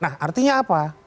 nah artinya apa